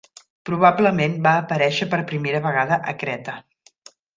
Probablement va aparèixer per primera vegada a Creta.